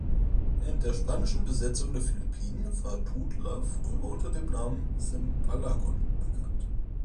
Während der spanischen Besetzung der Philippinen war Tudela früher unter dem Namen Simbalagon bekannt.